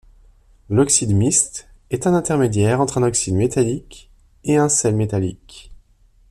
L'oxyde mixte est un intermédiaire entre un oxyde métallique et un sel métallique.